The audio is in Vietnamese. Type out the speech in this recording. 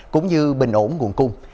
cũng như bình ổn nguồn cung